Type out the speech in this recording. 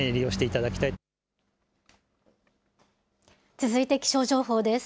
続いて気象情報です。